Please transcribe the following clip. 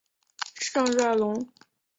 圣热龙。